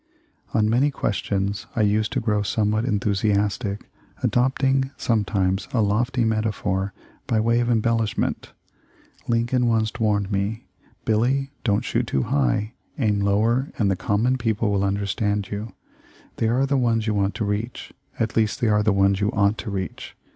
On many questions I used to grow somewhat enthusiastic, adopting sometimes a lofty metaphor by way of embellishment. Lincoln once warned me ; "Billy, don't shoot too high — aim lower and the common people will understand you. They are the ones you want to reach — at least they are the ones you ought to reach.